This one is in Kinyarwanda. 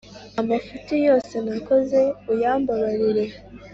Amafuti yose nakoze uyambabarire